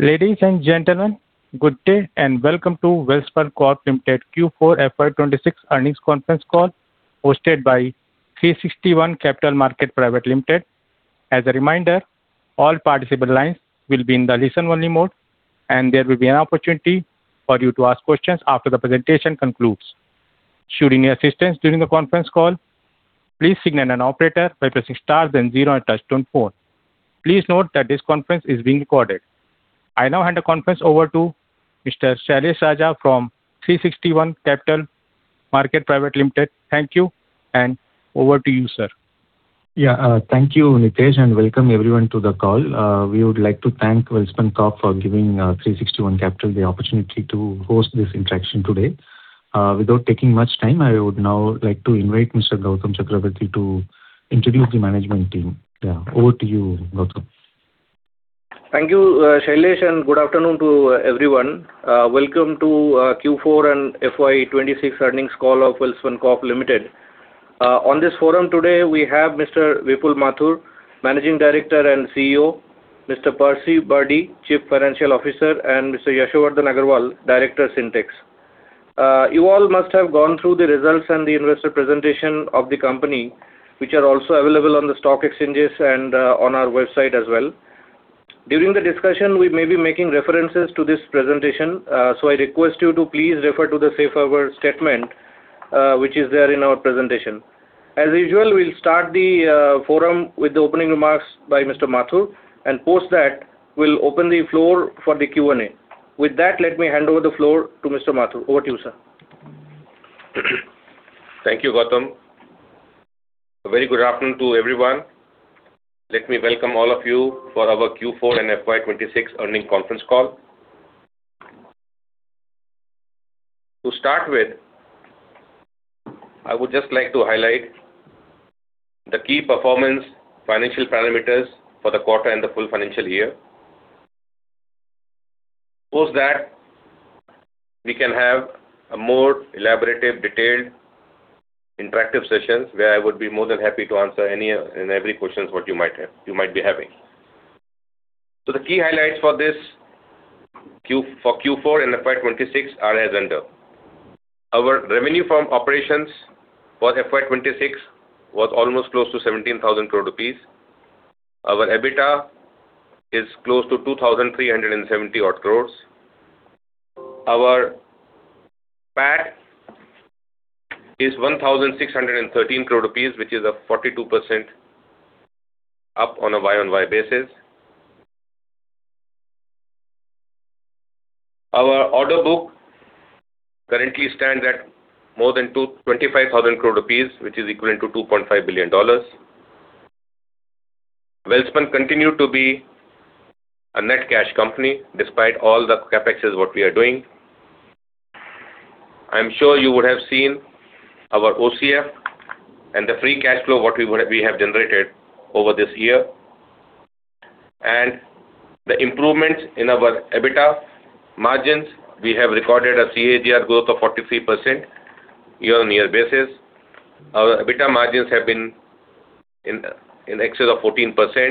Ladies and gentlemen, good day and welcome to Welspun Corp Ltd Q4 FY 2026 earnings conference call hosted by 360 ONE Capital Market Private Limited. As a reminder, all participants' lines will be in the listen-only mode and there will be an opportunity for you to ask questions after the presentation concludes. Should you need assistance during the conference call, please signal an operator by pressing star and zero at the touchtone phone. Please note that this conference is being recorded. I now hand the conference over to Mr. Sailesh Raja from 360 ONE Capital Market. I now hand the conference over to Mr. Sailesh Raja from 360 ONE Capital Market Private Limited. Thank you, and over to you, sir. Yeah. Thank you, Nitesh, and welcome everyone to the call. We would like to thank Welspun Corp for giving 360 ONE Capital the opportunity to host this interaction today. Without taking much time, I would now like to invite Mr. Goutam Chakraborty to introduce the management team. Yeah, over to you, Goutam. Thank you, Sailesh, good afternoon to everyone. Welcome to Q4 and FY 2026 earnings call of Welspun Corp Limited. On this forum today, we have Mr. Vipul Mathur, Managing Director and CEO, Mr. Percy Birdy, Chief Financial Officer, and Mr. Yashovardhan Agarwal, Director, Sintex. You all must have gone through the results and the investor presentation of the company, which are also available on the stock exchanges and on our website as well. During the discussion, we may be making references to this presentation, I request you to please refer to the safe harbor statement, which is there in our presentation. As usual, we'll start the forum with the opening remarks by Mr. Mathur, post that, we'll open the floor for the Q&A. With that, let me hand over the floor to Mr. Mathur. Over to you, sir. Thank you, Goutam. A very good afternoon to everyone. Let me welcome all of you for our Q4 and FY 2026 earnings conference call. To start with, I would just like to highlight the key performance financial parameters for the quarter and the full financial year. Post that, we can have a more elaborative, detailed, interactive sessions where I would be more than happy to answer any and every questions what you might be having. The key highlights for Q4 and FY 2026 are as under. Our revenue from operations for FY 2026 was almost close to 17,000 crore rupees. Our EBITDA is close to 2,370 odd crore. Our PAT is 1,613 crore rupees, which is up 42% on a year-over-year basis. Our order book currently stands at more than 25,000 crore rupees, which is equivalent to $2.5 billion. Welspun continue to be a net cash company despite all the CapExes what we are doing. I'm sure you would have seen our OCF and the free cash flow, what we have generated over this year. The improvements in our EBITDA margins, we have recorded a CAGR growth of 43% year-on-year basis. Our EBITDA margins have been in excess of 14%,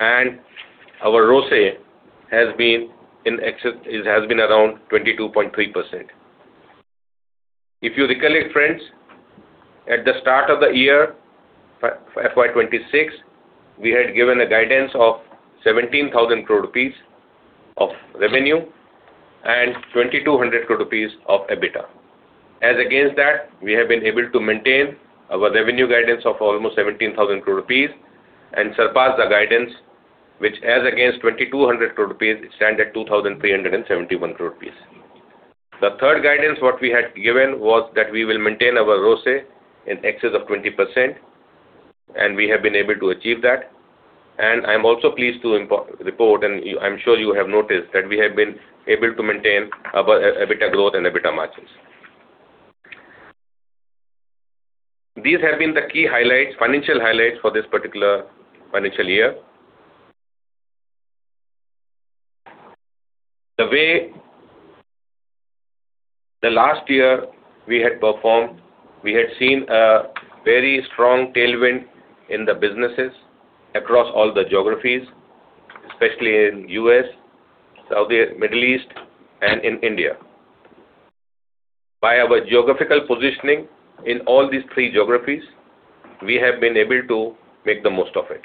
and our ROCE has been around 22.3%. If you recollect, friends, at the start of the year, FY 2026, we had given a guidance of 17,000 crore rupees of revenue and 2,200 crore rupees of EBITDA. As against that, we have been able to maintain our revenue guidance of almost 17,000 crore rupees and surpass the guidance, which as against 2,200 crore rupees, it stands at 2,371 crore rupees. The third guidance, what we had given was that we will maintain our ROCE in excess of 20%, and we have been able to achieve that. I'm also pleased to report, and I'm sure you have noticed, that we have been able to maintain our EBITDA growth and EBITDA margins. These have been the key financial highlights for this particular financial year. The way the last year we had performed, we had seen a very strong tailwind in the businesses across all the geographies, especially in U.S., Middle East, and in India. By our geographical positioning in all these three geographies, we have been able to make the most of it.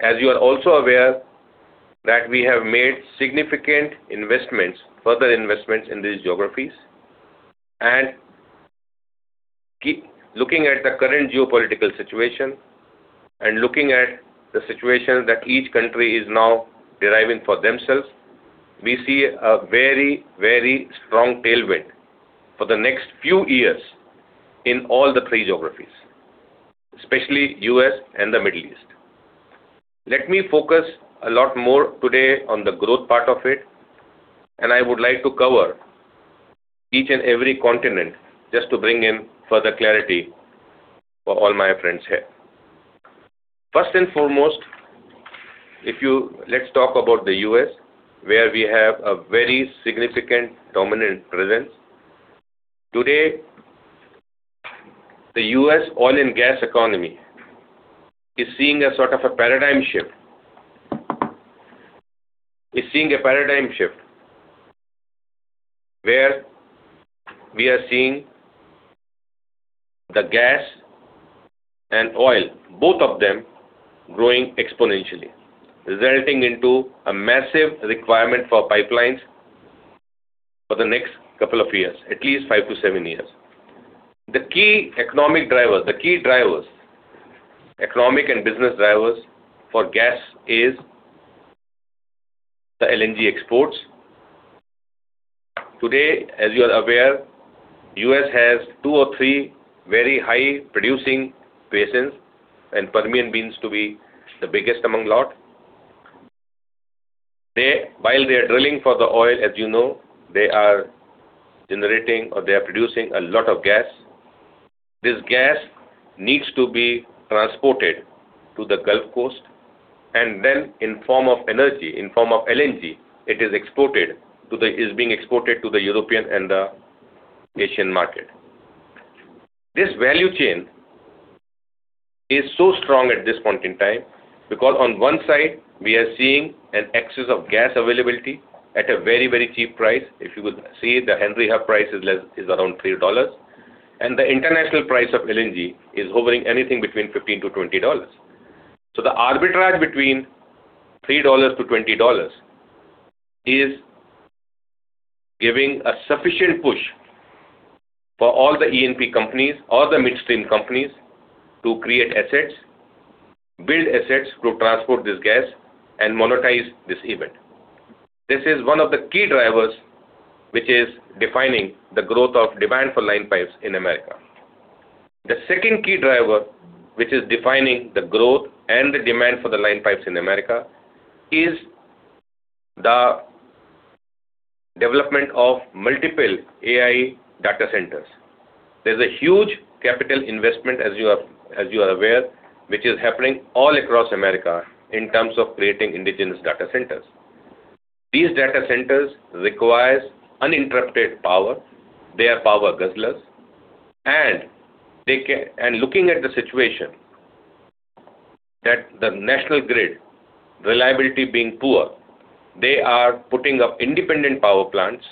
As you are also aware that we have made significant investments, further investments in these geographies. Looking at the current geopolitical situation and looking at the situation that each country is now deriving for themselves, we see a very strong tailwind for the next few years in all the three geographies, especially U.S. and the Middle East. Let me focus a lot more today on the growth part of it, and I would like to cover each and every continent just to bring in further clarity for all my friends here. First and foremost, let's talk about the U.S., where we have a very significant dominant presence. Today. The U.S. oil and gas economy is seeing a paradigm shift where we are seeing the gas and oil, both of them growing exponentially, resulting into a massive requirement for pipelines for the next couple of years, at least five to seven years. The key economic drivers, economic and business drivers for gas is the LNG exports. Today, as you are aware, U.S. has two or three very high producing basins, Permian happens to be the biggest among lot. They are drilling for the oil, as you know, they are generating or they are producing a lot of gas. This gas needs to be transported to the Gulf Coast, then in form of energy, in form of LNG, it is being exported to the European and the Asian market. This value chain is so strong at this point in time because on one side, we are seeing an excess of gas availability at a very, very cheap price. If you would see, the Henry Hub price is around $3, the international price of LNG is hovering anything between $15-$20. The arbitrage between $3-$20 is giving a sufficient push for all the E&P companies, all the midstream companies to create assets, build assets to transport this gas and monetize this event. This is one of the key drivers which is defining the growth of demand for line pipes in America. The second key driver, which is defining the growth and the demand for the line pipes in America, is the development of multiple AI data centers. There's a huge capital investment, as you are aware, which is happening all across America in terms of creating indigenous data centers. These data centers require uninterrupted power. They are power guzzlers. Looking at the situation, that the national grid reliability being poor, they are putting up independent power plants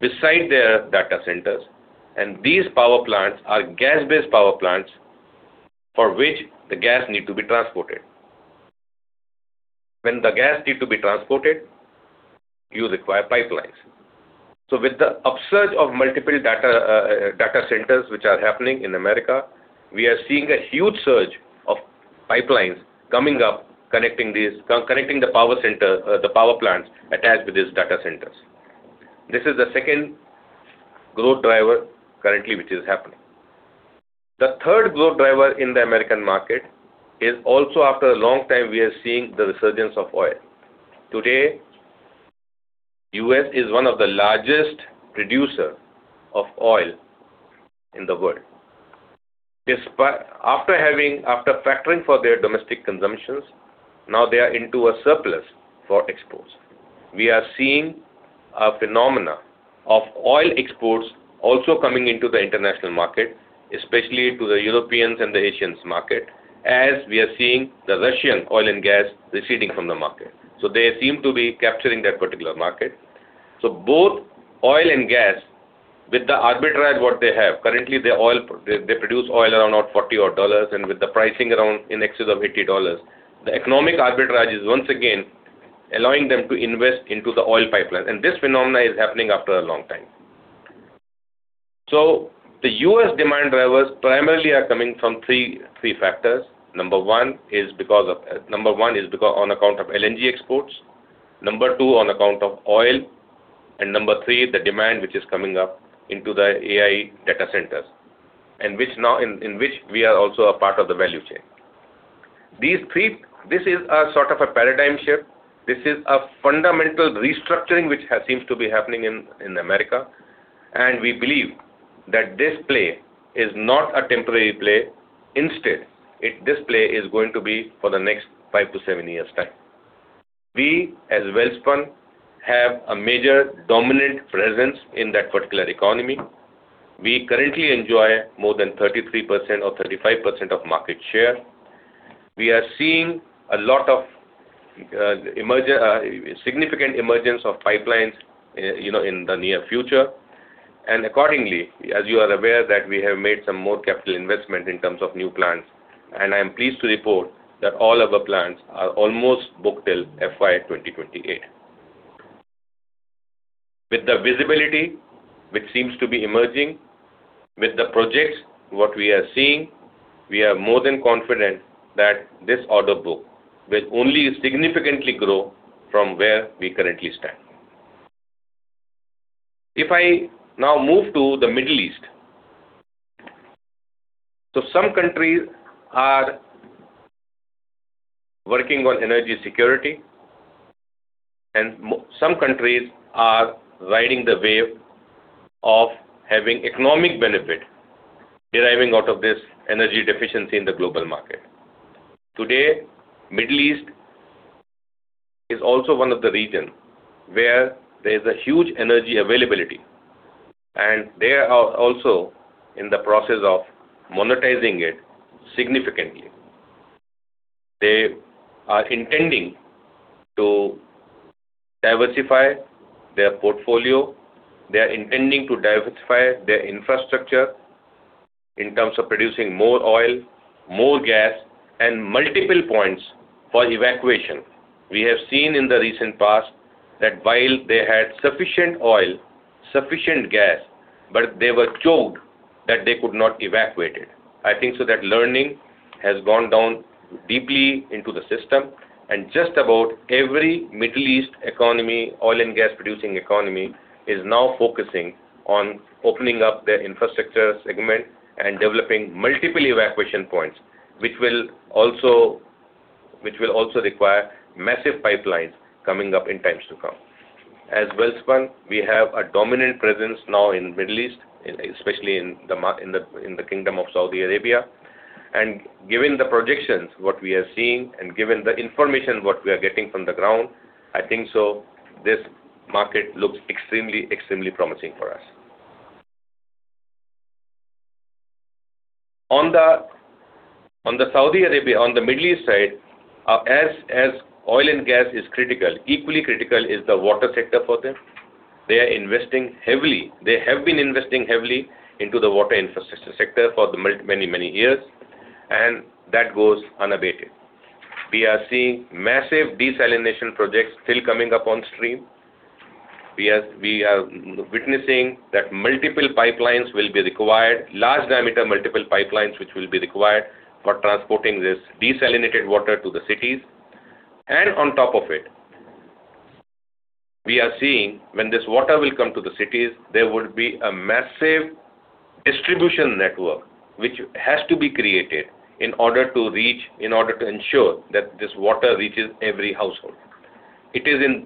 beside their data centers, and these power plants are gas-based power plants for which the gas need to be transported. When the gas need to be transported, you require pipelines. With the upsurge of multiple data centers which are happening in the U.S., we are seeing a huge surge of pipelines coming up connecting the power plants attached with these data centers. This is the second growth driver currently which is happening. The third growth driver in the U.S. market is also after a long time, we are seeing the resurgence of oil. Today, U.S. is one of the largest producer of oil in the world. After factoring for their domestic consumptions, now they are into a surplus for exports. We are seeing a phenomena of oil exports also coming into the international market, especially to the Europeans and the Asians market, as we are seeing the Russian oil and gas receding from the market. They seem to be capturing that particular market. Both oil and gas, with the arbitrage what they have, currently they produce oil around $40 odd, and with the pricing around in excess of $80, the economic arbitrage is once again allowing them to invest into the oil pipeline. This phenomena is happening after a long time. The U.S. demand drivers primarily are coming from three factors. Number one is on account of LNG exports. Number two, on account of oil. Number three, the demand which is coming up into the AI data centers, in which we are also a part of the value chain. This is a sort of a paradigm shift. This is a fundamental restructuring which seems to be happening in America, and we believe that this play is not a temporary play. Instead, this play is going to be for the next five to seven years' time. We, as Welspun Corp, have a major dominant presence in that particular economy. We currently enjoy more than 33% or 35% of market share. We are seeing a lot of significant emergence of pipelines in the near future. Accordingly, as you are aware, that we have made some more capital investment in terms of new plants, and I am pleased to report that all of our plants are almost booked till FY 2028. With the visibility which seems to be emerging, with the projects what we are seeing, we are more than confident that this order book will only significantly grow from where we currently stand. If I now move to the Middle East. Some countries are working on energy security, and some countries are riding the wave of having economic benefit deriving out of this energy deficiency in the global market. Today, Middle East is also one of the region where there's a huge energy availability, and they are also in the process of monetizing it significantly. They are intending to diversify their portfolio. They are intending to diversify their infrastructure in terms of producing more oil, more gas, and multiple points for evacuation. We have seen in the recent past that while they had sufficient oil, sufficient gas, but they were choked that they could not evacuate it. I think so that learning has gone down deeply into the system, and just about every Middle East economy, oil and gas producing economy, is now focusing on opening up their infrastructure segment and developing multiple evacuation points, which will also require massive pipelines coming up in times to come. As Welspun, we have a dominant presence now in Middle East, especially in the Kingdom of Saudi Arabia. Given the projections, what we are seeing, and given the information, what we are getting from the ground, I think so this market looks extremely promising for us. On the Saudi Arabia, on the Middle East side, as oil and gas is critical, equally critical is the water sector for them. They are investing heavily. They have been investing heavily into the water infrastructure sector for many years, and that goes unabated. We are seeing massive desalination projects still coming up on stream. We are witnessing that multiple pipelines will be required, large diameter, multiple pipelines, which will be required for transporting this desalinated water to the cities. On top of it, we are seeing when this water will come to the cities, there would be a massive distribution network, which has to be created in order to ensure that this water reaches every household. It is in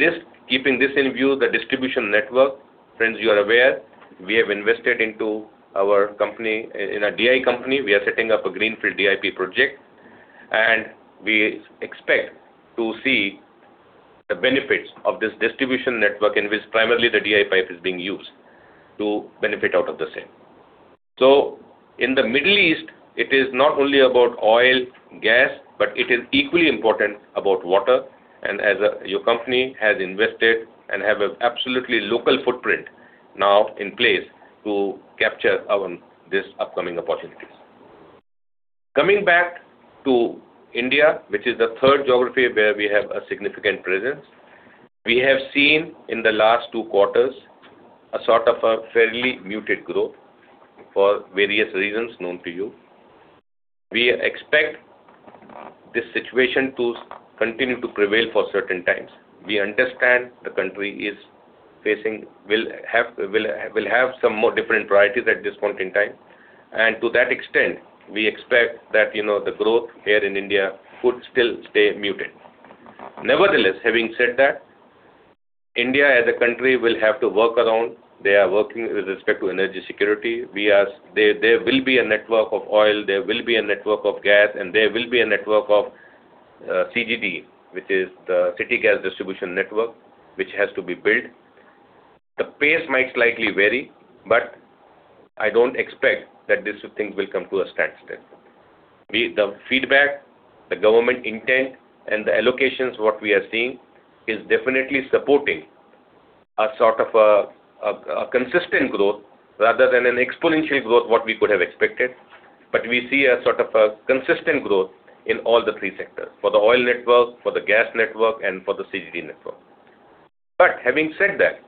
keeping this in view, the distribution network, friends, you are aware, we have invested into our company, in a DI company. We are setting up a greenfield DI pipe project, and we expect to see the benefits of this distribution network in which primarily the DI pipe is being used to benefit out of the same. In the Middle East, it is not only about oil, gas, but it is equally important about water. As your company has invested and have an absolutely local footprint now in place to capture this upcoming opportunities. Coming back to India, which is the third geography where we have a significant presence. We have seen in the last two quarters a sort of a fairly muted growth for various reasons known to you. We expect this situation to continue to prevail for certain times. We understand the country will have some more different priorities at this point in time. To that extent, we expect that the growth here in India could still stay muted. Nevertheless, having said that, India as a country will have to work around. They are working with respect to energy security. There will be a network of oil, there will be a network of gas, and there will be a network of CGD, which is the City Gas Distribution network, which has to be built. The pace might slightly vary, but I don't expect that these things will come to a standstill. The feedback, the government intent, and the allocations, what we are seeing is definitely supporting a sort of a consistent growth rather than an exponential growth, what we could have expected. We see a sort of a consistent growth in all the three sectors, for the oil network, for the gas network, and for the CGD network. Having said that,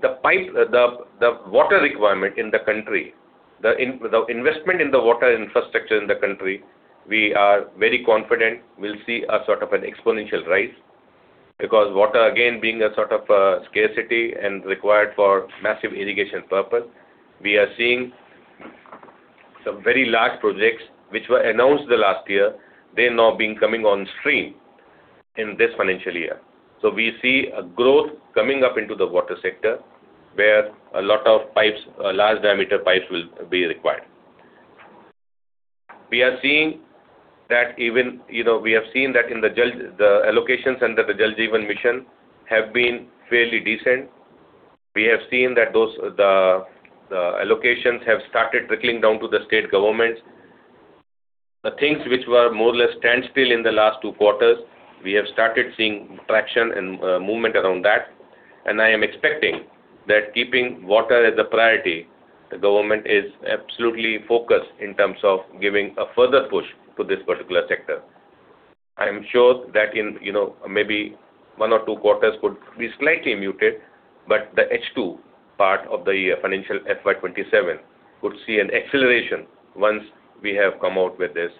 the water requirement in the country, the investment in the water infrastructure in the country, we are very confident we'll see a sort of an exponential rise. Water, again, being a sort of a scarcity and required for massive irrigation purpose. We are seeing some very large projects which were announced the last year. They're now being coming on stream in this financial year. We see a growth coming up into the water sector, where a lot of large diameter pipes will be required. We have seen that in the allocations under the Jal Jeevan Mission have been fairly decent. We have seen that the allocations have started trickling down to the state governments. The things which were more or less standstill in the last two quarters, we have started seeing traction and movement around that. I am expecting that keeping water as a priority, the government is absolutely focused in terms of giving a further push to this particular sector. I am sure that in maybe one or two quarters could be slightly muted, but the H2 part of the financial FY 2027 could see an acceleration once we have come out with this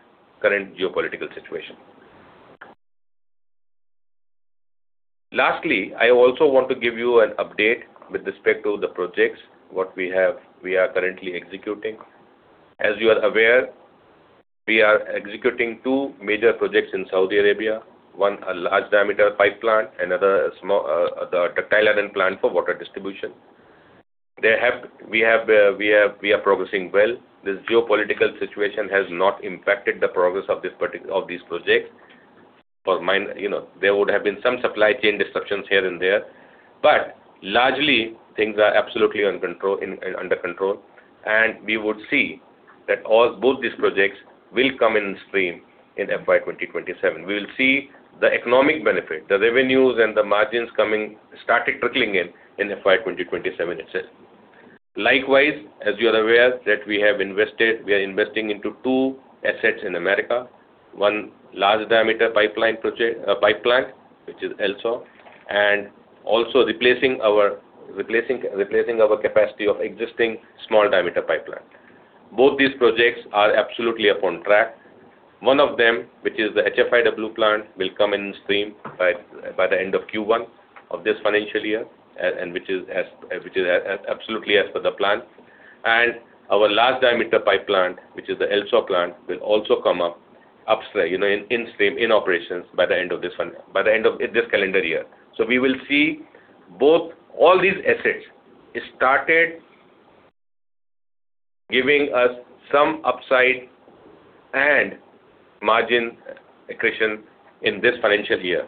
current geopolitical situation. Lastly, I also want to give you an update with respect to the projects, what we are currently executing. As you are aware, we are executing two major projects in Saudi Arabia. One, a large diameter pipe plant, another, the ductile iron plant for water distribution. We are progressing well. This geopolitical situation has not impacted the progress of these projects. There would have been some supply chain disruptions here and there, but largely, things are absolutely under control. We would see that both these projects will come in stream in FY 2027. We will see the economic benefit, the revenues, and the margins started trickling in FY 2027 itself. Likewise, as you are aware, that we are investing into two assets in the U.S., one large diameter pipeline, which is LSAW, and also replacing our capacity of existing small diameter pipeline. Both these projects are absolutely up on track. One of them, which is the HFIW plant, will come in stream by the end of Q1 of this financial year, which is absolutely as per the plan. Our large diameter pipe plant, which is the LSAW plant, will also come up in operations by the end of this calendar year. We will see all these assets started giving us some upside and margin accretion in this financial year.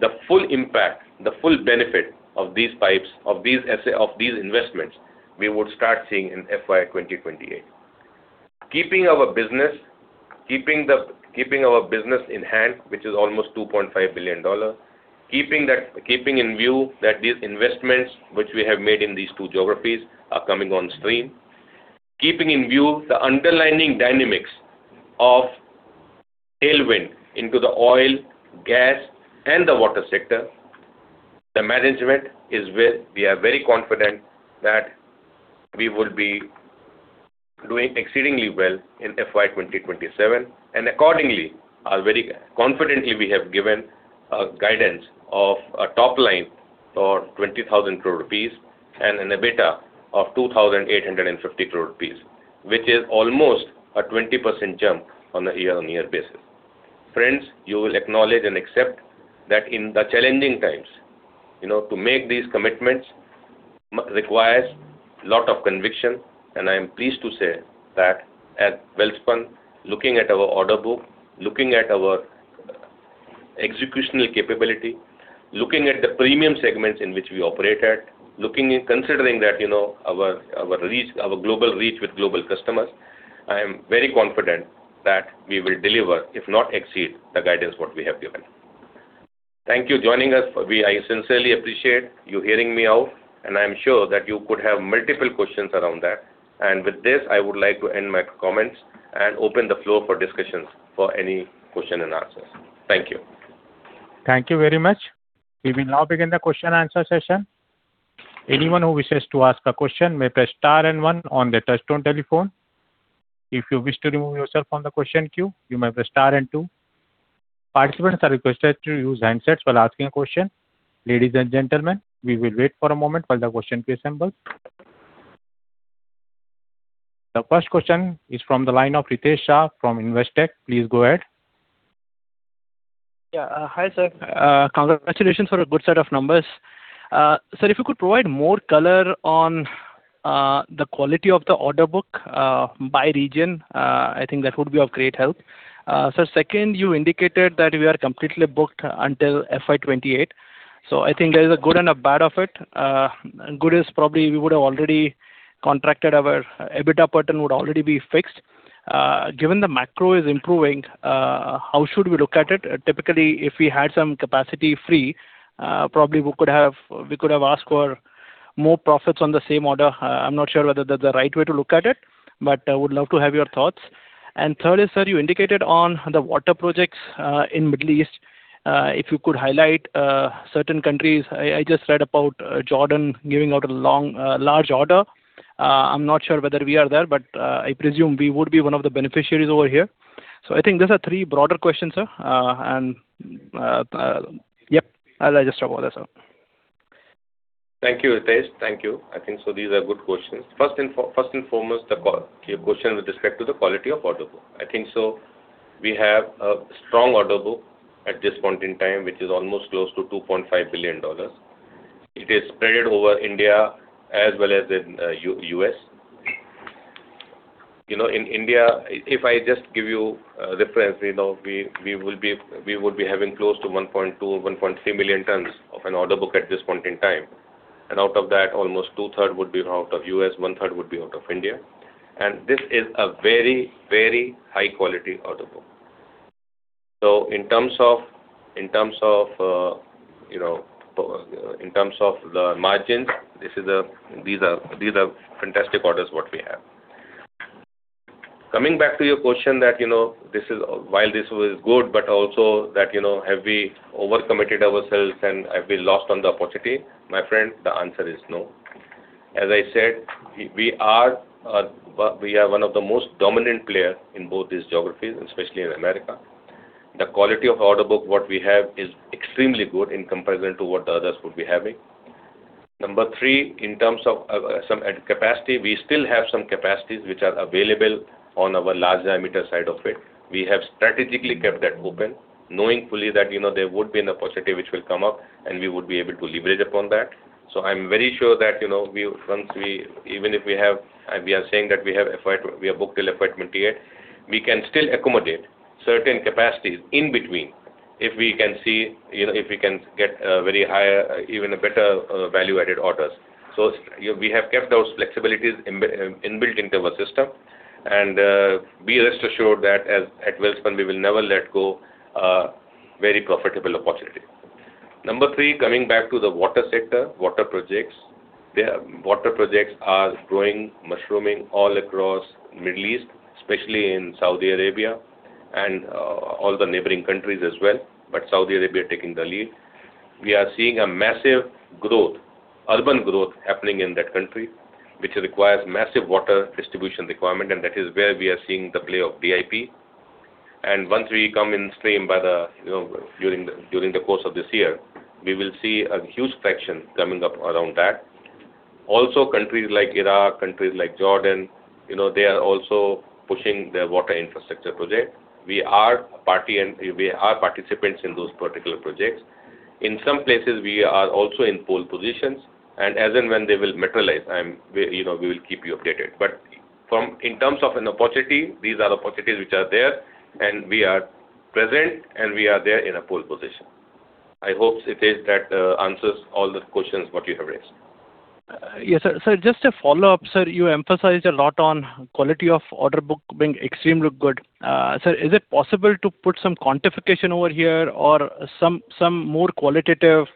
The full impact, the full benefit of these pipes, of these investments, we would start seeing in FY 2028. Keeping our business in hand, which is almost $2.5 billion, keeping in view that these investments which we have made in these two geographies are coming on stream, keeping in view the underlying dynamics of tailwind into the oil, gas, and the water sector, the management is where we are very confident that we would be doing exceedingly well in FY 2027, and accordingly or very confidently, we have given a guidance of a top line for 20,000 crore rupees and an EBITDA of 2,850 crore rupees, which is almost a 20% jump on a year-on-year basis. Friends, you will acknowledge and accept that in the challenging times, to make these commitments requires lot of conviction. I am pleased to say that at Welspun, looking at our order book, looking at our executional capability, looking at the premium segments in which we operate at, considering our global reach with global customers, I am very confident that we will deliver, if not exceed, the guidance what we have given. Thank you joining us. I sincerely appreciate you hearing me out, and I am sure that you could have multiple questions around that. With this, I would like to end my comments and open the floor for discussions for any question and answers. Thank you. Thank you very much. We will now begin the question and answer session. Anyone who wishes to ask a question may press star and one on their touchtone telephone. If you wish to remove yourself from the question queue, you may press star and two. Participants are requested to use handsets while asking a question. Ladies and gentlemen, we will wait for a moment for the question to assemble. The first question is from the line of Ritesh Shah from Investec. Please go ahead. Hi, sir. Congratulations for a good set of numbers. Sir, if you could provide more color on the quality of the order book by region, I think that would be of great help. Sir, second, you indicated that we are completely booked until FY 2028, I think there's a good and a bad of it. Good is probably we would have already contracted our EBITDA pattern would already be fixed. Given the macro is improving, how should we look at it? Typically, if we had some capacity free, probably we could have asked for more profits on the same order. I'm not sure whether that's the right way to look at it, I would love to have your thoughts. Third is, sir, you indicated on the water projects in Middle East, if you could highlight certain countries. I just read about Jordan giving out a large order. I'm not sure whether we are there, but I presume we would be one of the beneficiaries over here. I think those are three broader questions, sir. Yep, I'll just stop over there, sir. Thank you, Ritesh. Thank you. I think so these are good questions. First and foremost, your question with respect to the quality of order book. I think so we have a strong order book at this point in time, which is almost close to $2.5 billion. It is spread over India as well as in U.S. In India, if I just give you a reference, we would be having close to 1.2 million-1.3 million tons of an order book at this point in time. Out of that, almost 2/3 would be out of U.S., 1/3 would be out of India. This is a very high quality order book. In terms of the margins, these are fantastic orders what we have. Coming back to your question that while this was good, but also that have we overcommitted ourselves and have we lost on the opportunity? My friend, the answer is no. As I said, we are one of the most dominant player in both these geographies, especially in America. The quality of order book, what we have is extremely good in comparison to what the others would be having. Number three, in terms of some capacity, we still have some capacities which are available on our large-diameter side of it. We have strategically kept that open, knowing fully that there would be an opportunity which will come up. We would be able to leverage upon that. I'm very sure that even if we are saying that we have booked till FY 2028, we can still accommodate certain capacities in between if we can get very high, even better value-added orders. We have kept those flexibilities inbuilt into our system, and be rest assured that at Welspun, we will never let go a very profitable opportunity. Number three, coming back to the water sector, water projects. Water projects are growing, mushrooming all across Middle East, especially in Saudi Arabia and all the neighboring countries as well, but Saudi Arabia taking the lead. We are seeing a massive urban growth happening in that country, which requires massive water distribution requirement, and that is where we are seeing the play of DI pipe. Once we come in stream during the course of this year, we will see a huge fraction coming up around that. Also, countries like Iraq, countries like Jordan, they are also pushing their water infrastructure project. We are participants in those particular projects. In some places, we are also in pole positions, and as and when they will materialize, we will keep you updated. In terms of an opportunity, these are opportunities which are there, and we are present, and we are there in a pole position. I hope, Ritesh, that answers all the questions what you have raised. Yes, sir. Sir, just a follow-up. Sir, you emphasized a lot on quality of order book being extremely good. Sir, is it possible to put some quantification over here or some more qualitative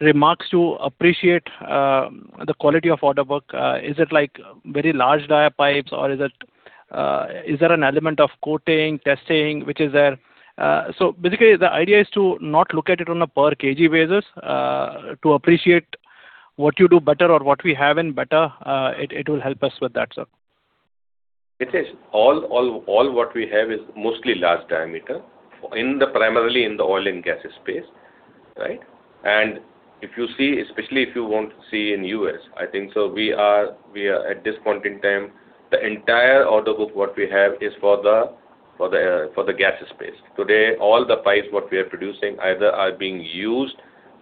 remarks to appreciate the quality of order book? Is it like very large dia pipes, or is there an element of coating, testing which is there? Basically, the idea is to not look at it on a per kilogram basis, to appreciate what you do better or what we have in better. It will help us with that, sir. Ritesh Shah, all what we have is mostly large diameter, primarily in the oil and gas space. Right? Especially if you want to see in U.S., I think so we are at this point in time, the entire order book what we have is for the gas space. Today, all the pipes what we are producing either are being used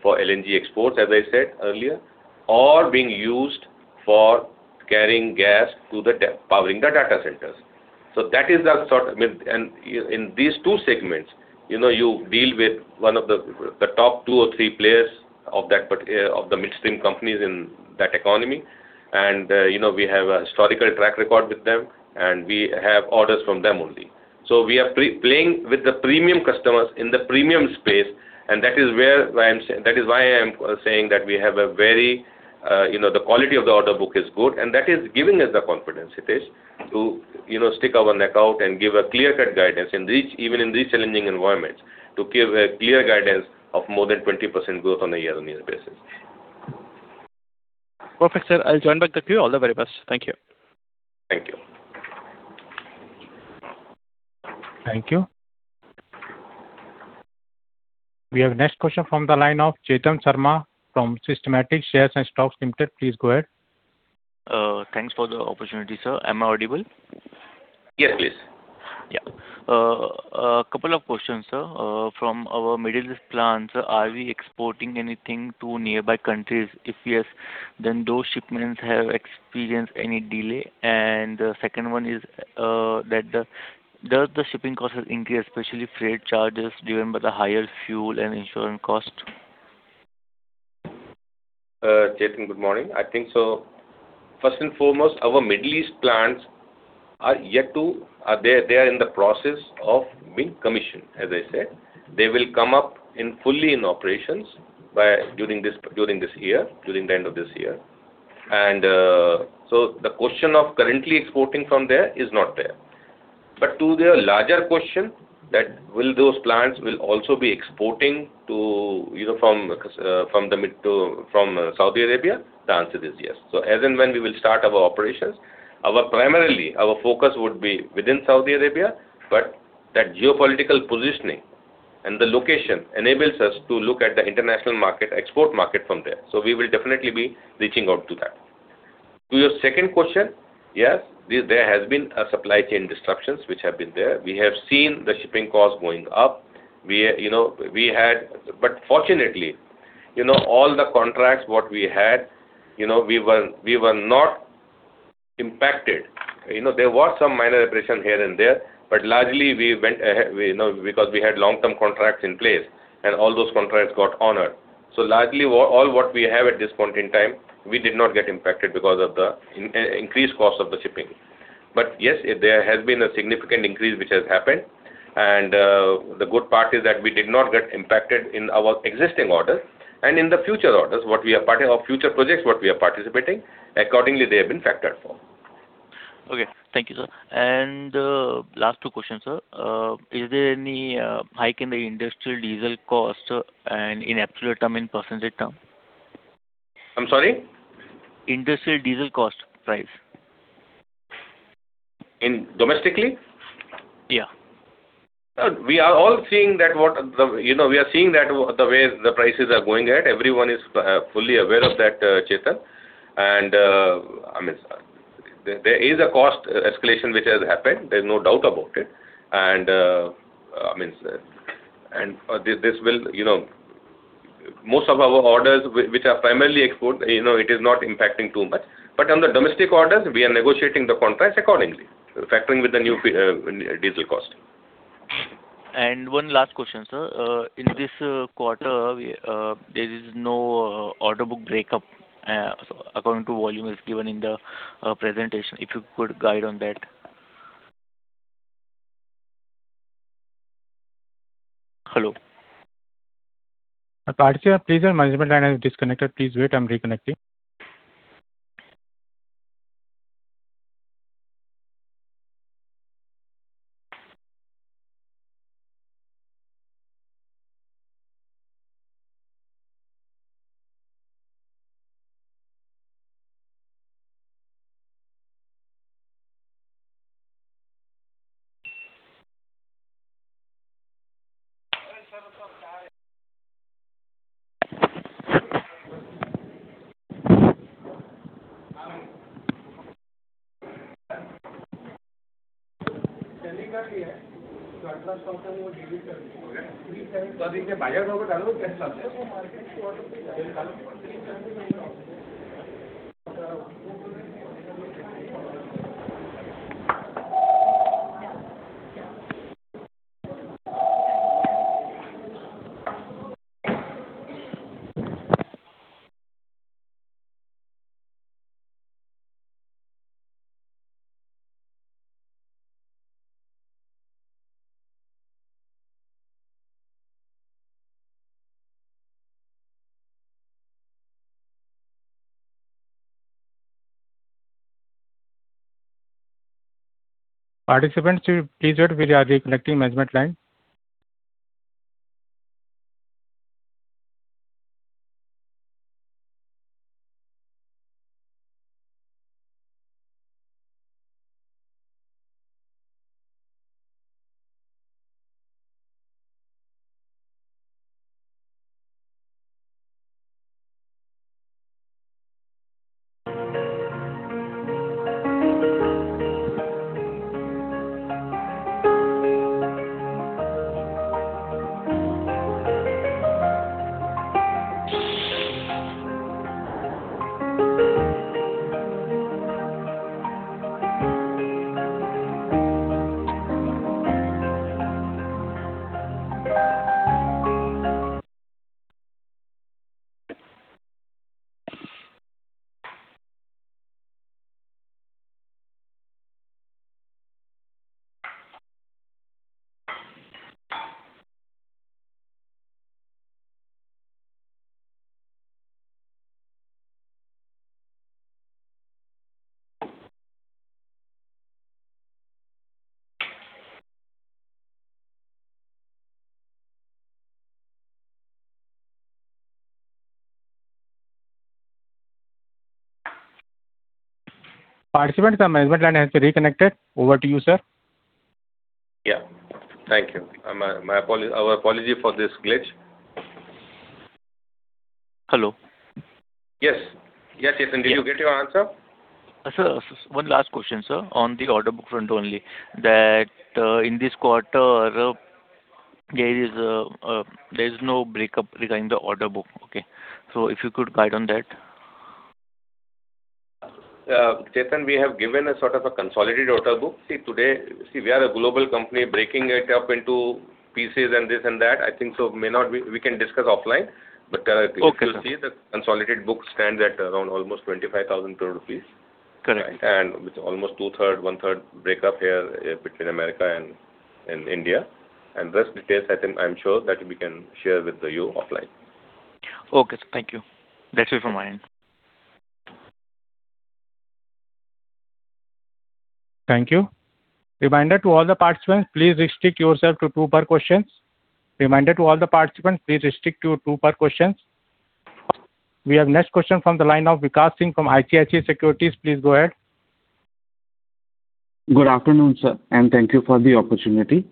for LNG exports, as I said earlier, or being used for carrying gas to powering the data centers. In these two segments, you deal with one of the top two or three players of the midstream companies in that economy. We have a historical track record with them, and we have orders from them only. We are playing with the premium customers in the premium space, and that is why I am saying that the quality of the order book is good, and that is giving us the confidence, Ritesh, to stick our neck out and give a clear-cut guidance, even in these challenging environments, to give a clear guidance of more than 20% growth on a year-on-year basis. Perfect, sir. I'll join back the queue. All the very best. Thank you. Thank you. Thank you. We have next question from the line of Chetan Sharma from Systematix Shares and Stocks Limited. Please go ahead. Thanks for the opportunity, sir. Am I audible? Yes, please. A couple of questions, sir. From our Middle East plant, sir, are we exporting anything to nearby countries? If yes, then those shipments have experienced any delay? The second one is that does the shipping cost has increased, especially freight charges driven by the higher fuel and insurance cost? Chetan, good morning. I think first and foremost, our Middle East plants, they are in the process of being commissioned, as I said. They will come up fully in operations during the end of this year. The question of currently exporting from there is not there. To the larger question that will those plants will also be exporting from Saudi Arabia, the answer is yes. As and when we will start our operations, primarily our focus would be within Saudi Arabia, but that geopolitical positioning and the location enables us to look at the international export market from there. We will definitely be reaching out to that. To your second question, yes, there has been a supply chain disruptions which have been there. We have seen the shipping cost going up. Fortunately, all the contracts what we had, we were not impacted. There was some minor abrasion here and there, but largely, because we had long-term contracts in place, and all those contracts got honored. Largely, all what we have at this point in time, we did not get impacted because of the increased cost of the shipping. Yes, there has been a significant increase which has happened, and the good part is that we did not get impacted in our existing orders. In the future orders, our future projects what we are participating, accordingly they have been factored for. Okay. Thank you, sir. Last two questions, sir. Is there any hike in the industrial diesel cost, sir, and in absolute term, in percentage term? I'm sorry. Industrial diesel cost price. Domestically? Yeah. Sir, we are seeing that the way the prices are going at, everyone is fully aware of that, Chetan. I mean, there is a cost escalation which has happened, there is no doubt about it. Most of our orders which are primarily export, it is not impacting too much. On the domestic orders, we are negotiating the contract accordingly, factoring with the new diesel cost. One last question, sir. In this quarter, there is no order book breakup according to volume is given in the presentation. If you could guide on that. Hello? Participant, please your management line has disconnected. Please wait, I'm reconnecting. Participants, please note we are reconnecting management line. Participants, our management line has reconnected. Over to you, sir. Yeah. Thank you. Our apology for this glitch. Hello? Yes. Yes, Chetan, did you get your answer? Sir, one last question, sir, on the order book front only. That in this quarter, there is no breakup regarding the order book. Okay. If you could guide on that. Chetan, we have given a sort of a consolidated order book. Today, we are a global company, breaking it up into pieces and this and that, I think so may not be. We can discuss offline. Okay, sir. If you see, the consolidated book stands at around almost 25,000 crore rupees. Correct. With almost 2/3, 1/3 breakup here between America and India. Rest details, I think I'm sure that we can share with you offline. Okay, sir. Thank you. That's it from my end. Thank you. Reminder to all the participants, please restrict yourself to two per question. Reminder to all the participants, please restrict to two per question. We have next question from the line of Vikas Singh from ICICI Securities. Please go ahead. Good afternoon, sir, and thank you for the opportunity.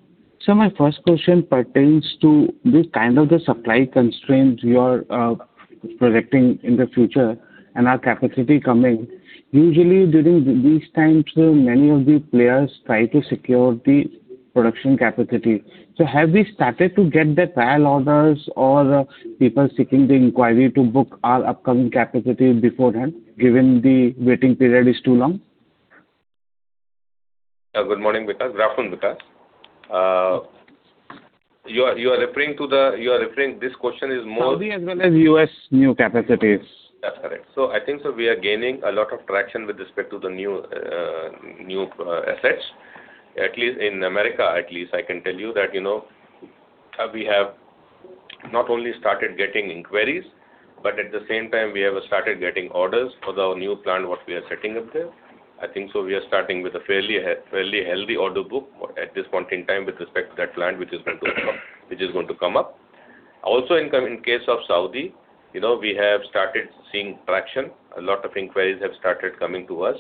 My first question pertains to the kind of the supply constraints you are projecting in the future and our capacity coming. Usually, during these times, many of the players try to secure the production capacity. Have we started to get the trial orders or people seeking the inquiry to book our upcoming capacity beforehand, given the waiting period is too long? Good morning, Vikas. Good afternoon, Vikas. This question is. Saudi as well as U.S. new capacities. That's correct. I think so we are gaining a lot of traction with respect to the new assets. At least in the U.S., at least I can tell you that we have not only started getting inquiries, but at the same time we have started getting orders for our new plant what we are setting up there. I think so we are starting with a fairly healthy order book at this point in time with respect to that plant which is going to come up. In case of Saudi, we have started seeing traction. A lot of inquiries have started coming to us.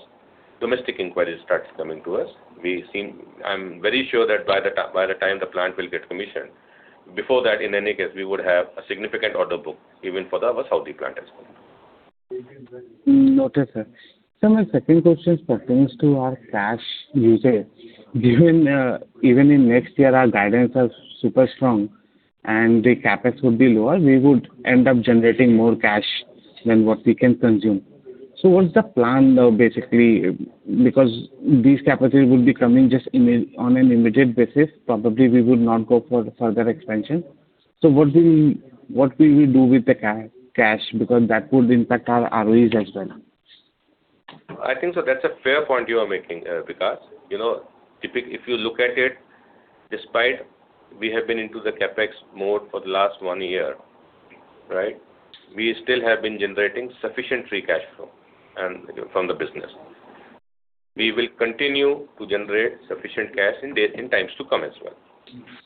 Domestic inquiries start coming to us. I'm very sure that by the time the plant will get commissioned, before that, in any case, we would have a significant order book even for our Saudi plant as well. Noted, sir. Sir, my second question pertains to our cash usage. Given even in next year our guidance are super strong and the CapEx would be lower, we would end up generating more cash than what we can consume. What's the plan though, basically, because these capacities would be coming just on a limited basis, probably we would not go for further expansion. What will we do with the cash? That would impact our ROEs as well. I think that's a fair point you are making, Vikas. If you look at it, despite we have been into the CapEx mode for the last one year, we still have been generating sufficient free cash flow from the business. We will continue to generate sufficient cash in times to come as well.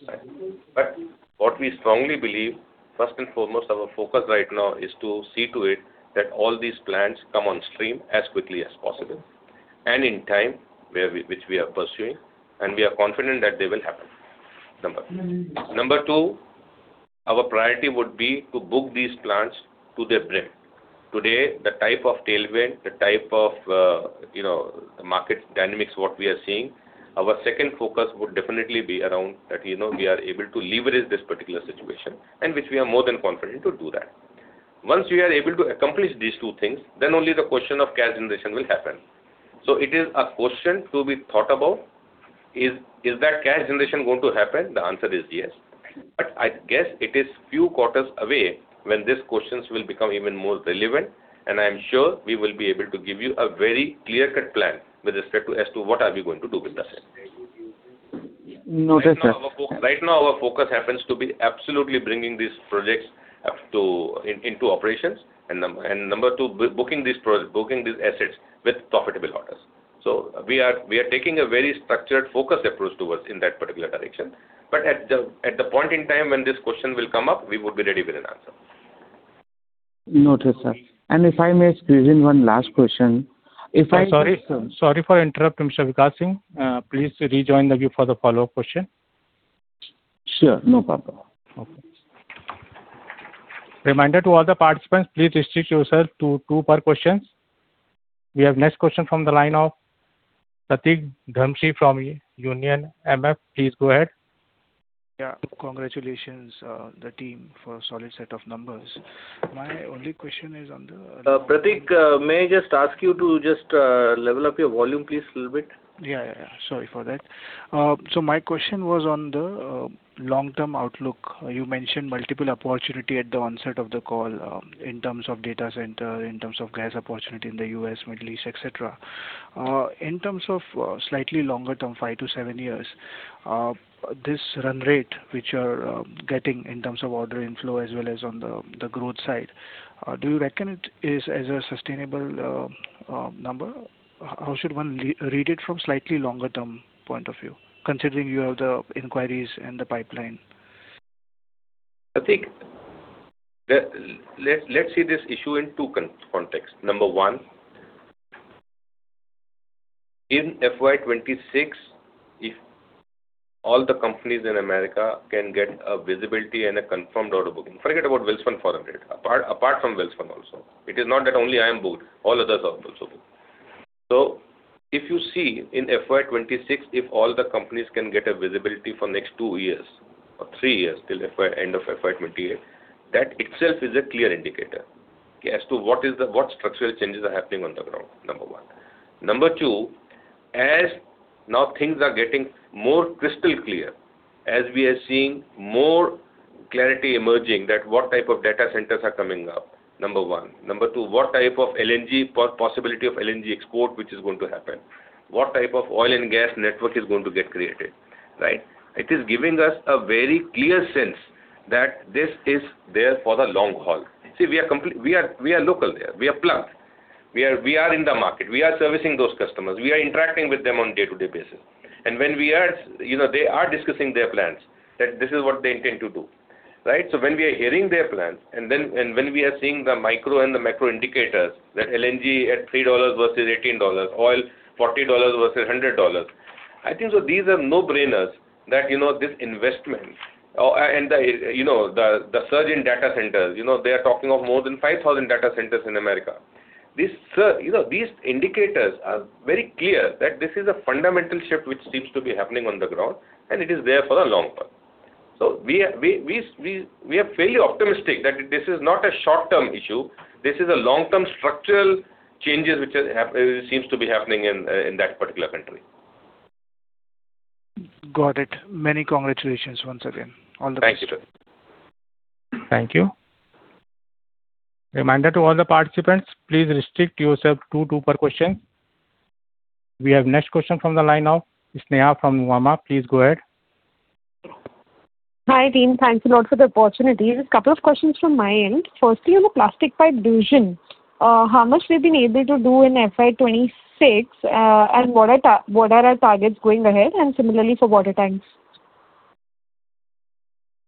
Yes. What we strongly believe, first and foremost, our focus right now is to see to it that all these plants come on stream as quickly as possible and in time, which we are pursuing, and we are confident that they will happen. Number one. Number two, our priority would be to book these plants to their brim. Today, the type of tailwind, the type of market dynamics, what we are seeing, our second focus would definitely be around that we are able to leverage this particular situation, and which we are more than confident to do that. Once we are able to accomplish these two things, then only the question of cash generation will happen. It is a question to be thought about. Is that cash generation going to happen? The answer is yes. I guess it is few quarters away when these questions will become even more relevant, and I'm sure we will be able to give you a very clear-cut plan with respect to as to what are we going to do with the same. Noted, sir. Right now our focus happens to be absolutely bringing these projects into operations, and number two, booking these assets with profitable orders. We are taking a very structured, focused approach towards in that particular direction. At the point in time when this question will come up, we will be ready with an answer. Noted, sir. If I may squeeze in one last question. Sorry for interrupting, Mr. Vikas Singh. Please rejoin the queue for the follow-up question. Sure, no problem. Okay. Reminder to all the participants, please restrict yourself to two per question. We have next question from the line of Pratik Dharmshi from Union MF. Please go ahead. Yeah. Congratulations, the team, for a solid set of numbers. My only question is. Pratik, may I just ask you to just level up your volume, please, a little bit. Yeah. Sorry for that. My question was on the long-term outlook. You mentioned multiple opportunity at the onset of the call in terms of data center, in terms of gas opportunity in the U.S., Middle East, et cetera. In terms of slightly longer term, five to seven years, this run rate which you're getting in terms of order inflow as well as on the growth side, do you reckon it as a sustainable number? How should one read it from slightly longer term point of view, considering you have the inquiries in the pipeline? Pratik, let's see this issue in two contexts. Number one. In FY 2026, if all the companies in America can get a visibility and a confirmed order booking. Forget about Welspun for a minute. Apart from Welspun also. It is not that only I am booked, all others are also booked. If you see in FY 2026, if all the companies can get a visibility for next two years or three years till end of FY 2028, that itself is a clear indicator as to what structural changes are happening on the ground, number one. Number two. As now things are getting more crystal clear, as we are seeing more clarity emerging that what type of data centers are coming up, number one. Number two. What type of possibility of LNG export which is going to happen. What type of oil and gas network is going to get created. It is giving us a very clear sense that this is there for the long haul. We are local there. We are plugged. We are in the market. We are servicing those customers. We are interacting with them on day-to-day basis. They are discussing their plans, that this is what they intend to do. When we are hearing their plans and when we are seeing the micro and the macro indicators that LNG at $3 versus $18, oil $40 versus $100, I think these are no-brainers that this investment and the surge in data centers. They are talking of more than 5,000 data centers in America. These indicators are very clear that this is a fundamental shift which seems to be happening on the ground, it is there for the long term. We are fairly optimistic that this is not a short-term issue. This is a long-term structural changes which seems to be happening in that particular country. Got it. Many congratulations once again. Thank you. Thank you. Reminder to all the participants, please restrict yourself to two per question. We have next question from the line of Sneha from Nuvama. Please go ahead. Hi, team. Thanks a lot for the opportunity. Just couple of questions from my end. Firstly, on the plastic pipe division, how much we've been able to do in FY 2026, and what are our targets going ahead, and similarly for water tanks?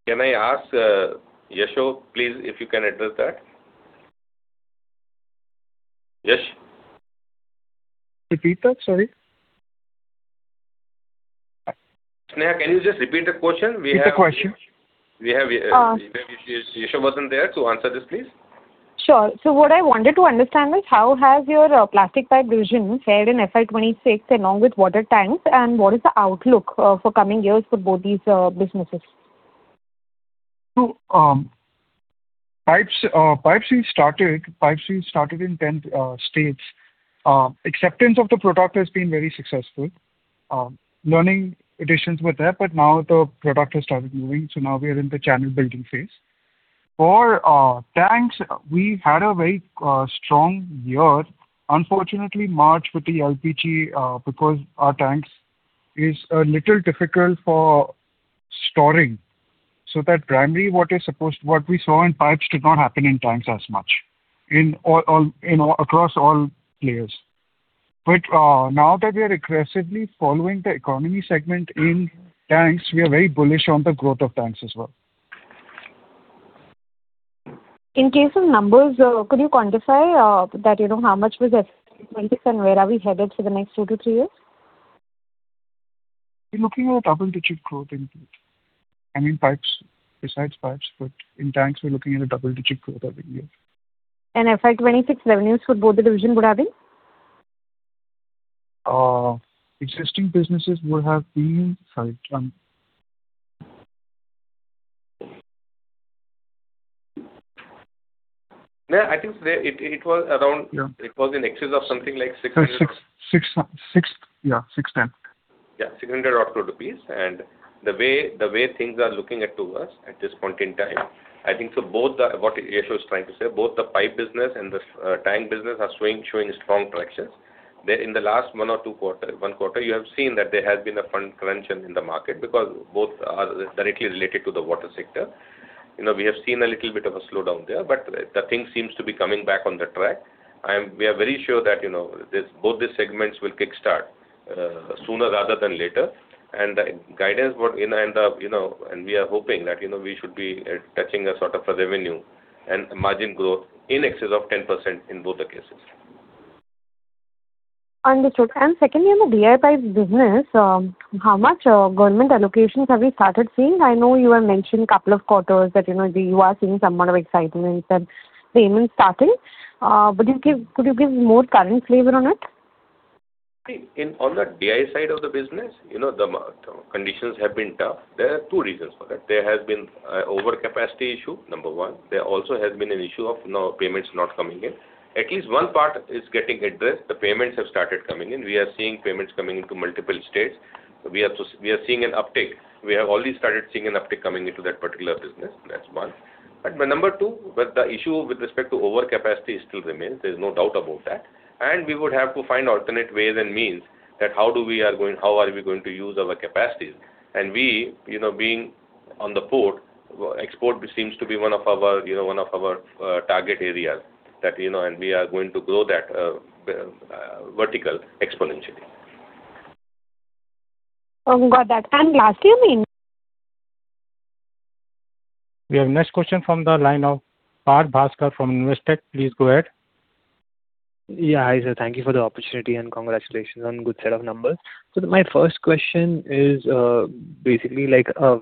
Can I ask, Yashovardhan, please, if you can address that? Yashovardhan. Repeat that. Sorry. Sneha, can you just repeat the question? Repeat the question. Yashovardhan wasn't there to answer this, please. Sure. What I wanted to understand is how has your plastic pipe division fared in FY 2026 along with water tanks, and what is the outlook for coming years for both these businesses? Pipes we started in 10 states. Acceptance of the product has been very successful. Learning additions were there, but now the product has started moving, so now we are in the channel-building phase. For tanks, we've had a very strong year. Unfortunately, March with the LPG, because our tanks are a little difficult for storing, so that primarily what we saw in pipes did not happen in tanks as much across all players. Now that we are aggressively following the economy segment in tanks, we are very bullish on the growth of tanks as well. In case of numbers, could you quantify that, how much was FY 2026, and where are we headed for the next two to three years? We're looking at double-digit growth. I mean, besides pipes, but in tanks, we're looking at a double-digit growth every year. FY 2026 revenues for both the division would have been? Existing businesses would have been Sorry. I think it was in excess of something like 600. 610. Yeah, 600 odd crore. The way things are looking towards at this point in time, I think what Yashovardhan is trying to say, both the pipe business and the tank business are showing strong collections. In the last one quarter, you have seen that there has been a crunch in the market because both are directly related to the water sector. We have seen a little bit of a slowdown there, but the thing seems to be coming back on the track. We are very sure that both these segments will kick start sooner rather than later. We are hoping that we should be touching a sort of a revenue and margin growth in excess of 10% in both the cases. Understood. Secondly, on the DI pipes business, how much government allocations have we started seeing? I know you have mentioned two quarters that you are seeing some amount of excitement and payments starting. Could you give more current flavor on it? On the DI side of the business, the conditions have been tough. There are two reasons for that. There has been overcapacity issue, number one. There also has been an issue of payments not coming in. At least one part is getting addressed. The payments have started coming in. We are seeing payments coming into multiple states. We are seeing an uptick. We have already started seeing an uptick coming into that particular business. That's one. Number two, the issue with respect to overcapacity still remains. There's no doubt about that. We would have to find alternate ways and means how are we going to use our capacities? We, being on the port, export seems to be one of our target areas, and we are going to grow that vertical exponentially. Got that. Last. We have next question from the line of Parth Bhavsar from Investec. Please go ahead. Yeah. Hi, sir. Thank you for the opportunity, and congratulations on good set of numbers. My first question is, basically,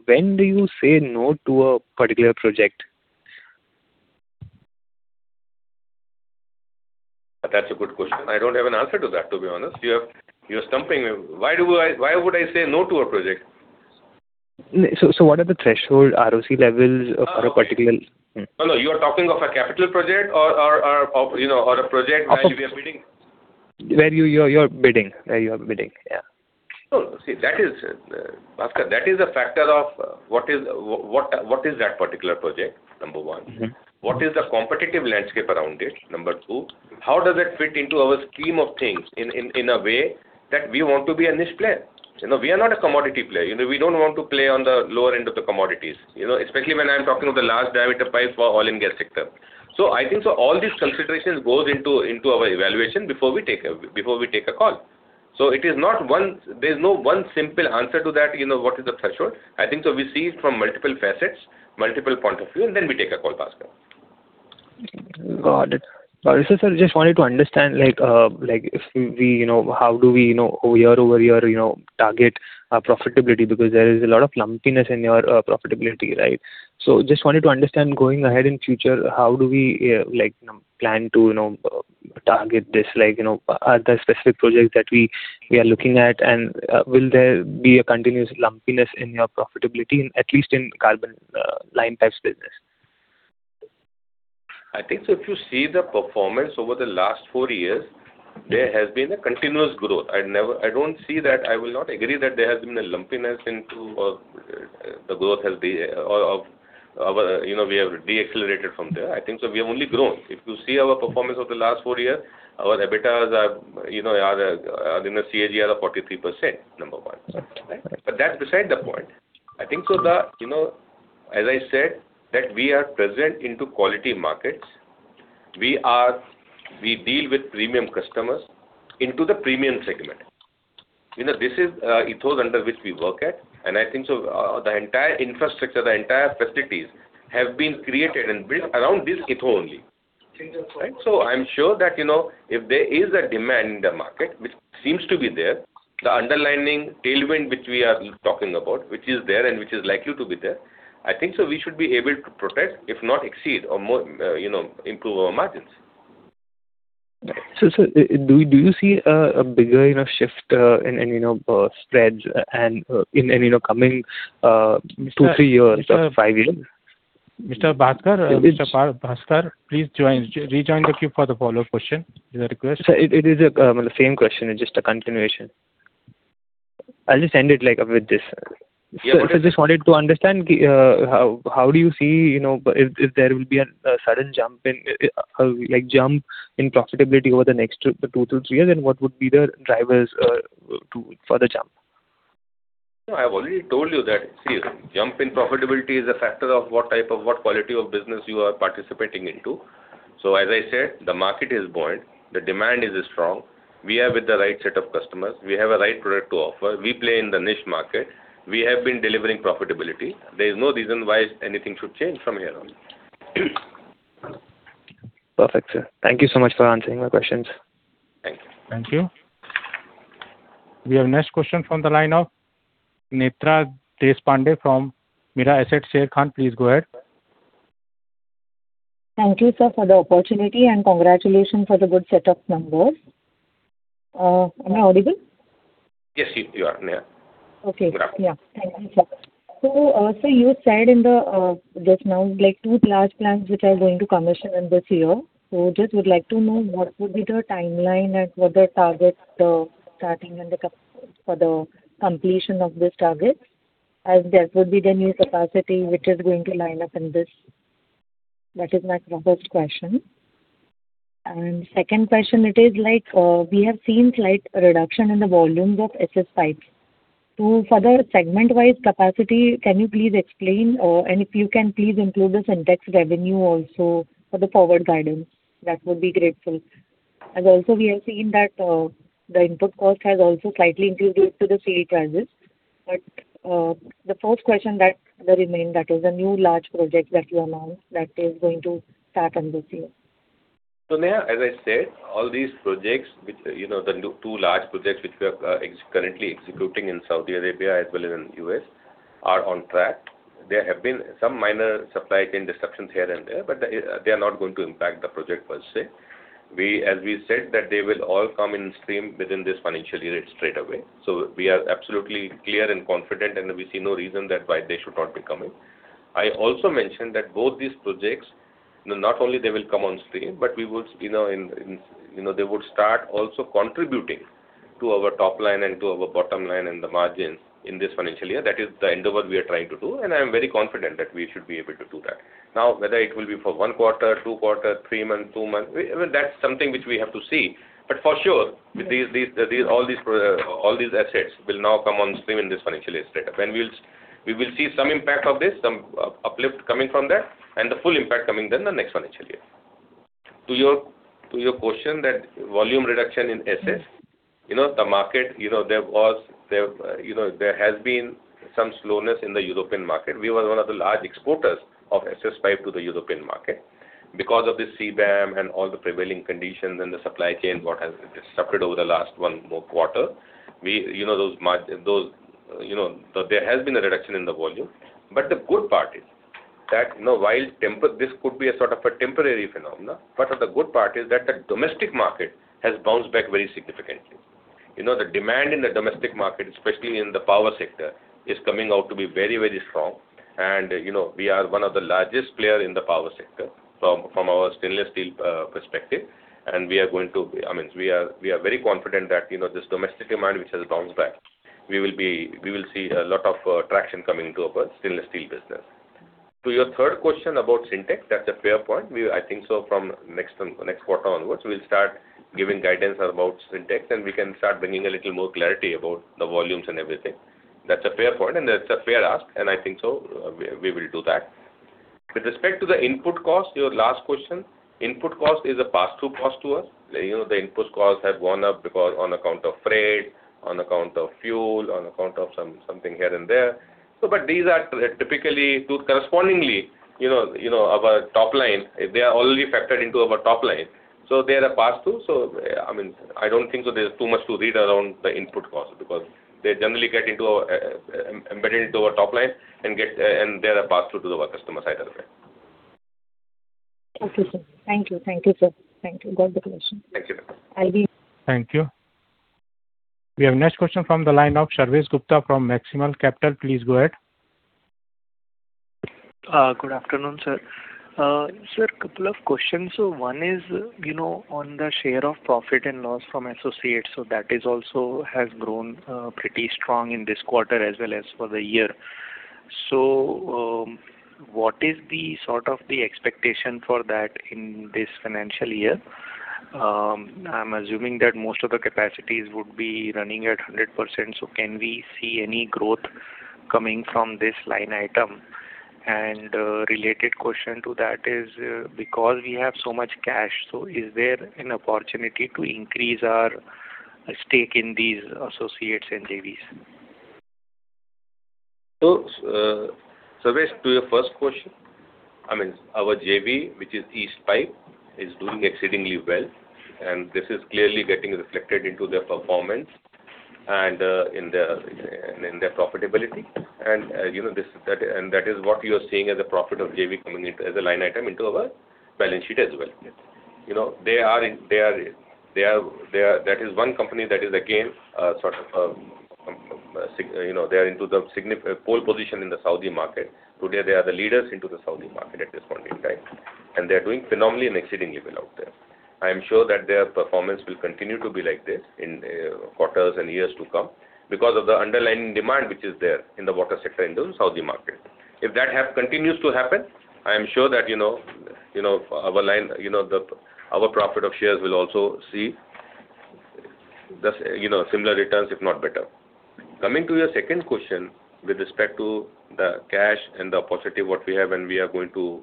when do you say no to a particular project? That's a good question. I don't have an answer to that, to be honest. You're stumping me. Why would I say no to a project? What are the threshold ROCE levels? No. You are talking of a capital project or a project where we are bidding? Where you are bidding. Yeah. No. See, Bhavsar, that is a factor of what is that particular project, number 1. What is the competitive landscape around it, number two. How does it fit into our scheme of things in a way that we want to be a niche player? We are not a commodity player. We don't want to play on the lower end of the commodities, especially when I'm talking of the large-diameter pipes for oil and gas sector. I think all these considerations goes into our evaluation before we take a call. There's no one simple answer to that, what is the threshold. I think so we see it from multiple facets, multiple points of view, and then we take a call, Bhavsar. Got it. Sir, just wanted to understand how do we year-over-year target our profitability, because there is a lot of lumpiness in your profitability, right? Just wanted to understand, going ahead in future, how do we plan to target this? Are there specific projects that we are looking at, will there be a continuous lumpiness in your profitability, at least in carbon line pipes business? I think if you see the performance over the last four years, there has been a continuous growth. I will not agree that there has been a lumpiness or we have de-accelerated from there. I think so we have only grown. If you see our performance over the last four years, our EBITDA are in a CAGR of 43%, number one. That's beside the point. As I said, that we are present into quality markets. We deal with premium customers into the premium segment. This is the ethos under which we work at, and I think so the entire infrastructure, the entire facilities have been created and built around this ethos only. Right? I'm sure that if there is a demand in the market, which seems to be there, the underlying tailwind which we are talking about, which is there and which is likely to be there, I think so we should be able to protect, if not exceed or improve our margins. Sir, do you see a bigger enough shift in spreads and in coming two, three years or five years? Mr. Bhavsar, please rejoin the queue for the follow-up question. It's a request. Sir, it is the same question, just a continuation. I'll just end it with this. Yeah. Sir, I just wanted to understand. How do you see if there will be a sudden jump in profitability over the next to two three years? What would be the drivers for the jump? No, I've already told you that. See, jump in profitability is a factor of what type, of what quality of business you are participating into. As I said, the market is buoyant, the demand is strong. We are with the right set of customers. We have a right product to offer. We play in the niche market. We have been delivering profitability. There's no reason why anything should change from here on. Perfect, sir. Thank you so much for answering my questions. Thank you. Thank you. We have next question from the line of Netra Deshpande from Mirae Asset Sharekhan. Please go ahead. Thank you, sir, for the opportunity, and congratulations for the good set of numbers. Am I audible? Yes, you are, Netra. Okay. Good afternoon. Thank you, sir. Sir, you said just now, two large plants which are going to commission in this year. Just would like to know what would be the timeline and what the targets, starting and for the completion of this target, as that would be the new capacity which is going to line up in this. That is my first question. second question, it is, we have seen slight reduction in the volumes of SS pipes. For the segment-wise capacity, can you please explain? If you can please include the Sintex revenue also for the forward guidance, that would be grateful. Also we have seen that the input cost has also slightly increased due to the steel charges. The first question that remains, that is the new large project that you announced that is going to start in this year. Netra, as I said, all these projects, the two large projects which we are currently executing in Saudi Arabia as well as in U.S., are on track. There have been some minor supply chain disruptions here and there, they are not going to impact the project per se. We said that they will all come in stream within this financial year straightaway. We are absolutely clear and confident, we see no reason that why they should not be coming. I also mentioned that both these projects, not only they will come on stream, but they would start also contributing to our top line and to our bottom line and the margins in this financial year. That is the endeavor we are trying to do, I am very confident that we should be able to do that. Now, whether it will be for one quarter, two quarters, three months, two months, that's something which we have to see all these assets will now come on stream in this financial year straight up. We will see some impact of this, some uplift coming from that, and the full impact coming then the next financial year. To your question, that volume reduction in SS. There has been some slowness in the European market. We were one of the large exporters of SS pipe to the European market. Because of the CBAM and all the prevailing conditions and the supply chain, what has disrupted over the last one quarter. There has been a reduction in the volume. The good part is that this could be a sort of a temporary phenomenon. The good part is that the domestic market has bounced back very significantly. The demand in the domestic market, especially in the power sector, is coming out to be very strong. We are one of the largest player in the power sector from our stainless steel perspective. We are very confident that this domestic demand which has bounced back, we will see a lot of traction coming to our stainless steel business. To your third question about Sintex, that's a fair point. I think so from next quarter onwards, we'll start giving guidance about Sintex, and we can start bringing a little more clarity about the volumes and everything. That's a fair point and that's a fair ask, and I think so, we will do that. With respect to the input cost, your last question. Input cost is a pass-through cost to us. The input cost has gone up because on account of freight, on account of fuel, on account of something here and there. But these are typically correspondingly our top line. They are already factored into our top line. They are a pass-through, I don't think so there's too much to read around the input cost because they generally get embedded into our top line and they are a pass-through to our customer side of the thing. Okay, sir. Thank you, sir. Thank you. God bless you. Thank you. I'll be- Thank you. We have next question from the line of Sarvesh Gupta from Maximal Capital. Please go ahead. Good afternoon, sir. Sir, couple of questions. One is on the share of profit and loss from associates. That is also has grown pretty strong in this quarter as well as for the year. What is the sort of the expectation for that in this financial year? I'm assuming that most of the capacities would be running at 100%, so can we see any growth coming from this line item. Related question to that is, because we have so much cash, so is there an opportunity to increase our stake in these associates and JVs? Sarvesh, to your first question, our JV, which is East Pipe, is doing exceedingly well, and this is clearly getting reflected into their performance and in their profitability. That is what you are seeing as a profit of JV coming as a line item into our balance sheet as well. Yes. That is one company that is again, they're into the pole position in the Saudi market. Today, they are the leaders into the Saudi market at this point in time, and they're doing phenomenally and exceedingly well out there. I am sure that their performance will continue to be like this in quarters and years to come because of the underlying demand which is there in the water sector in the Saudi market. If that continues to happen, I am sure that our profit of shares will also see similar returns, if not better. Coming to your second question with respect to the cash and the position what we have and we are going to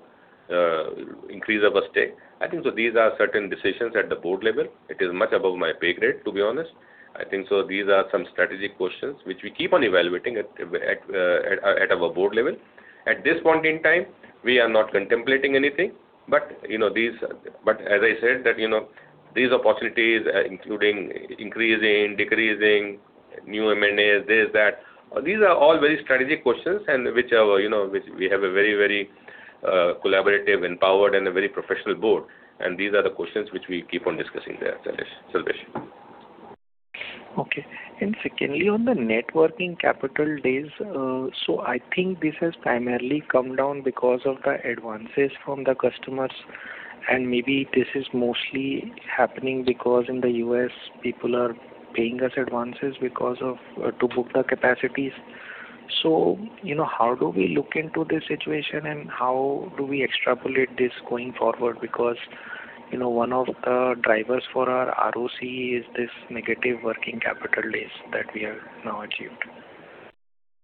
increase our stake. I think these are certain decisions at the board level. It is much above my pay grade, to be honest. I think so these are some strategic questions which we keep on evaluating at our board level. At this point in time, we are not contemplating anything. As I said, these opportunities, including increasing, decreasing, new M&As, this, that, these are all very strategic questions and which we have a very collaborative, empowered, and a very professional board, and these are the questions which we keep on discussing there, Sarvesh. Okay. Secondly, on the working capital days, I think this has primarily come down because of the advances from the customers, and maybe this is mostly happening because in the U.S., people are paying us advances to book the capacities. How do we look into this situation and how do we extrapolate this going forward? One of the drivers for our ROCE is this negative working capital days that we have now achieved.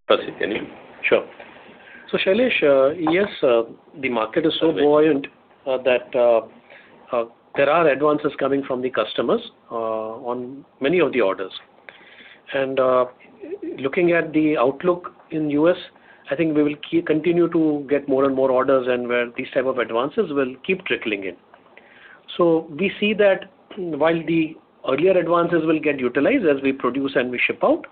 Percy, can you? Sure. Sarvesh, yes, the market is so buoyant that there are advances coming from the customers on many of the orders. Looking at the outlook in U.S., I think we will continue to get more and more orders and where these type of advances will keep trickling in. We see that while the earlier advances will get utilized as we produce and we ship out,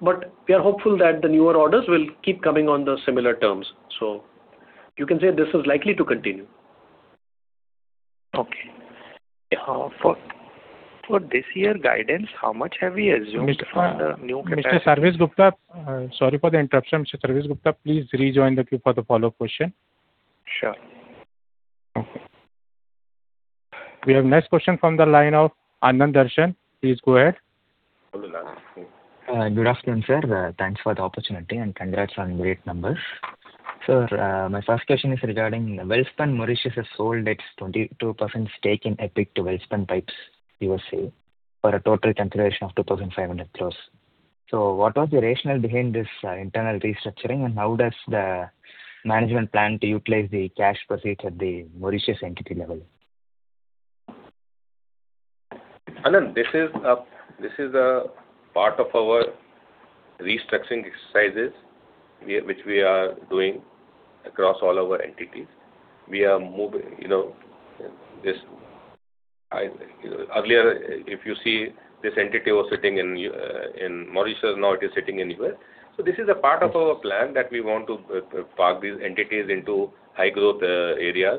but we are hopeful that the newer orders will keep coming on the similar terms. You can say this is likely to continue. Okay. For this year guidance, how much have we assumed from the new capacity? Mr. Sarvesh Gupta, sorry for the interruption, Mr. Sarvesh Gupta, please rejoin the queue for the follow question. Sure. We have next question from the line of Anand Darshan. Please go ahead. Hello, Anand. Good afternoon, sir. Thanks for the opportunity, and congrats on great numbers. Sir, my first question is regarding Welspun Mauritius has sold its 22% stake in EPIC to Welspun Pipes U.S.A. for a total consideration of 2,500 crore. What was the rationale behind this internal restructuring, and how does the management plan to utilize the cash proceeds at the Mauritius entity level? Anand, this is a part of our restructuring exercises which we are doing across all our entities. Earlier, if you see, this entity was sitting in Mauritius, now it is sitting in U.S. This is a part of our plan that we want to park these entities into high-growth areas,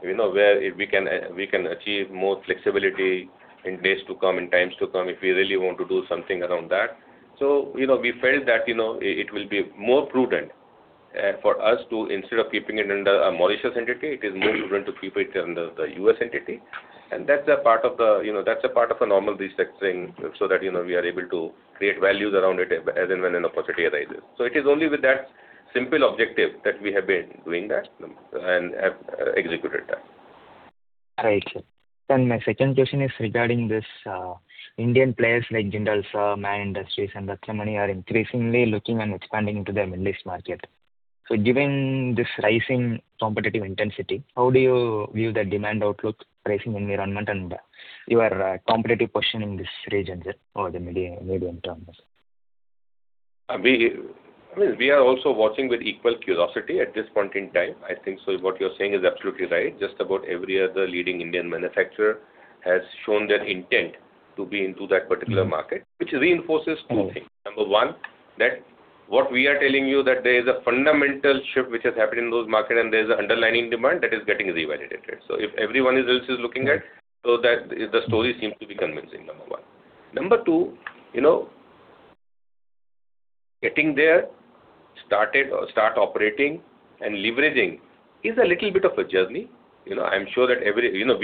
where we can achieve more flexibility in days to come, in times to come, if we really want to do something around that. We felt that it will be more prudent for us to, instead of keeping it under a Mauritius entity, it is more prudent to keep it under the U.S. entity. That's a part of a normal restructuring so that we are able to create values around it as and when an opportunity arises. It is only with that simple objective that we have been doing that and have executed that. Right, sir. My second question is regarding this Indian players like Jindals, Man Industries and Rashmi Metaliks are increasingly looking and expanding into the Middle East market. Given this rising competitive intensity, how do you view the demand outlook pricing environment and your competitive position in this region, sir, over the medium term? We are also watching with equal curiosity at this point in time. What you're saying is absolutely right. Just about every other leading Indian manufacturer has shown their intent to be into that particular market, which reinforces two things. Number one, that what we are telling you that there is a fundamental shift which has happened in those markets and there is an underlying demand that is getting revalidated. If everyone else is looking at, the story seems to be convincing, number one. Number two, getting there, start operating, and leveraging is a little bit of a journey. We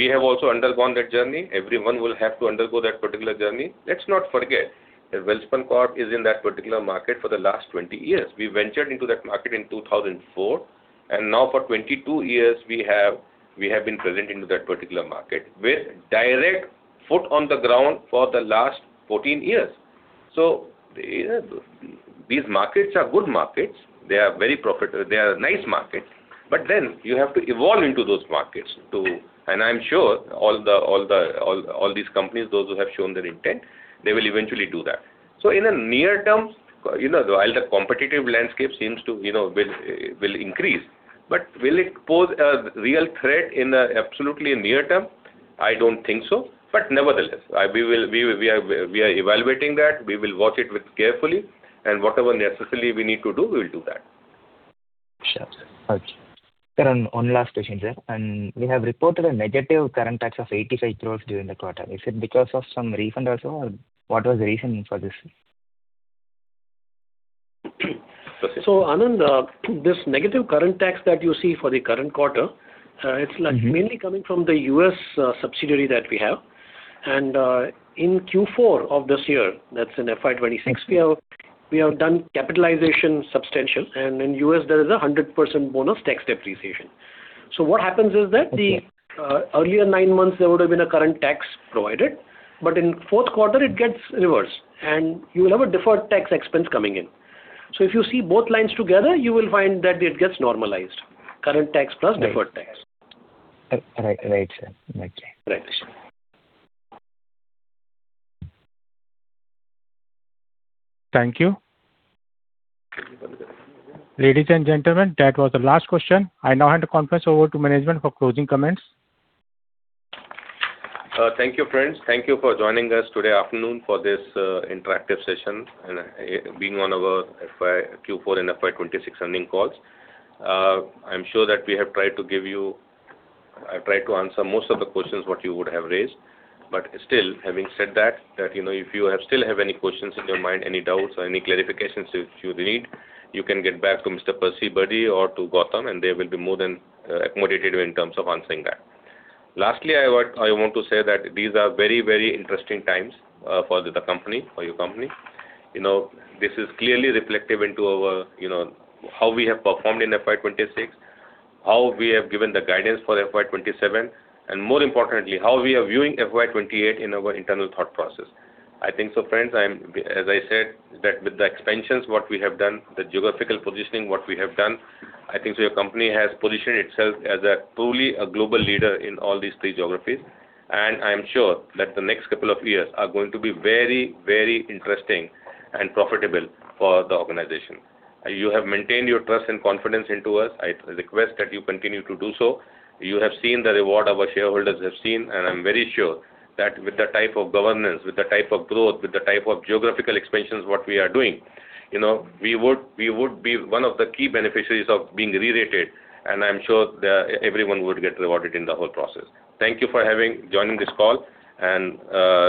have also undergone that journey. Everyone will have to undergo that particular journey. Let's not forget that Welspun Corp is in that particular market for the last 20 years. We ventured into that market in 2004. Now for 22 years, we have been present in that particular market with direct foot on the ground for the last 14 years. These markets are good markets. They are nice markets, but then you have to evolve into those markets. I'm sure all these companies, those who have shown their intent, they will eventually do that. In the near term, while the competitive landscape will increase, but will it pose a real threat in the absolutely near term? I don't think so, but nevertheless, we are evaluating that. We will watch it carefully and whatever necessarily we need to do, we'll do that. Sure. Okay. Sir, one last question, sir. We have reported a negative current tax of 85 crore during the quarter. Is it because of some refund also, or what was the reason for this? Anand, this negative current tax that you see for the current quarter, it's mainly coming from the U.S. subsidiary that we have. In Q4 of this year, that's in FY 2026, we have done capitalization substantial, and in U.S., there is 100% bonus tax depreciation. What happens is that the earlier nine months, there would have been a current tax provided, but in fourth quarter it gets reversed, and you will have a deferred tax expense coming in. If you see both lines together, you will find that it gets normalized, current tax plus deferred tax. Right, sir. Thank you. Right. Thank you. Ladies and gentlemen, that was the last question. I now hand the conference over to management for closing comments. Thank you, friends. Thank you for joining us today afternoon for this interactive session, being one of our Q4 and FY 2026 earning calls. I'm sure that I've tried to answer most of the questions what you would have raised. Still, having said that, if you still have any questions in your mind, any doubts, or any clarifications which you need, you can get back to Mr. Percy Birdy or to Goutam, and they will be more than accommodative in terms of answering that. Lastly, I want to say that these are very interesting times for your company. This is clearly reflective into how we have performed in FY 2026, how we have given the guidance for FY 2027, and more importantly, how we are viewing FY 2028 in our internal thought process. I think so, friends, as I said, that with the expansions what we have done, the geographical positioning what we have done, I think your company has positioned itself as truly a global leader in all these three geographies. I'm sure that the next couple of years are going to be very interesting and profitable for the organization. You have maintained your trust and confidence into us. I request that you continue to do so. You have seen the reward our shareholders have seen. I'm very sure that with the type of governance, with the type of growth, with the type of geographical expansions what we are doing, we would be one of the key beneficiaries of being re-rated. I'm sure everyone would get rewarded in the whole process. Thank you for joining this call.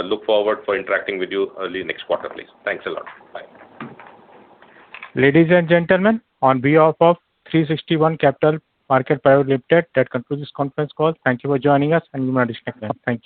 Look forward for interacting with you early next quarter, please. Thanks a lot. Bye. Ladies and gentlemen, on behalf of 360 ONE Capital Market Private Limited, that concludes this conference call. Thank you for joining us, and you may disconnect now. Thank you.